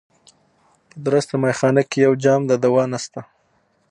په درسته مېخانه کي یو جام د دوا نسته